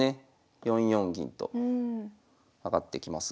４四銀と上がってきますが。